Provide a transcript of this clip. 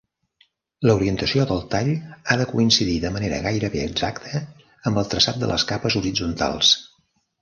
L'orientació del tall ha de coincidir de manera gairebé exacta amb el traçat de les capes horitzontals.